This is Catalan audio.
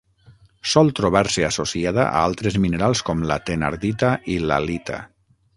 Sol trobar-se associada a altres minerals com la thenardita i l'halita.